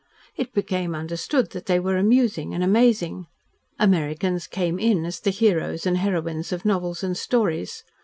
It became understood that they were amusing and amazing. Americans "came in" as the heroes and heroines of novels and stories.